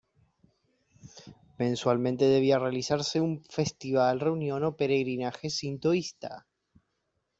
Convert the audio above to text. Mensualmente debía realizarse un festival, reunión o peregrinaje sintoísta.